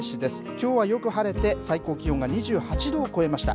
きょうはよく晴れて、最高気温が２８度を超えました。